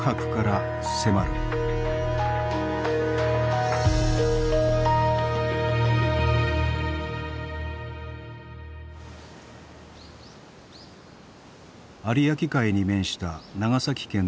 有明海に面した長崎県の港町。